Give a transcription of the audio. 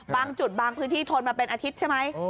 บางจุดบางพื้นที่ทนมาเป็นอาทิตย์ใช่ไหม